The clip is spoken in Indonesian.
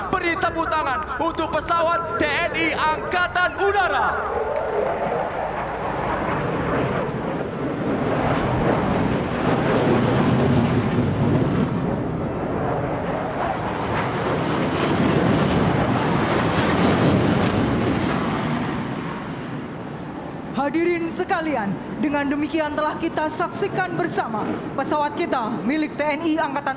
beri tepuk tangan